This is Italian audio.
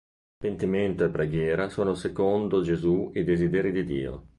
Pentimento e preghiera sono secondo Gesù i desideri di Dio.